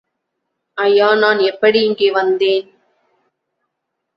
ஐயா நான் எப்படி இங்கே வந்தேன்?